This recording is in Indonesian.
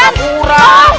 ini ga pura